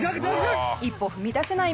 一歩踏み出せない皆さん